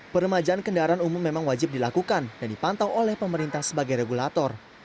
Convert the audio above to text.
permajaan kendaraan umum memang wajib dilakukan dan dipantau oleh pemerintah sebagai regulator